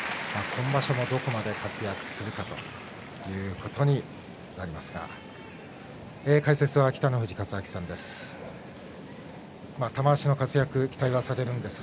今場所も、どこまで活躍するかということになりますが解説は北の富士勝昭さんです。